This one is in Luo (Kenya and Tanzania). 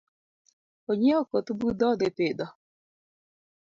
Onyiewo koth budho odhi pidho